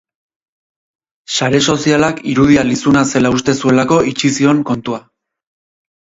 Sare sozialak irudia lizuna zela uste zuelako itxi zion kontua.